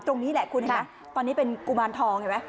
ตรงนี้แหละคุณเห็นไหมตอนนี้เป็นกุมารทองเห็นไหม